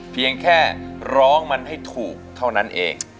เพียงแค่ร้องมันให้ถูกเท่านั้นเอง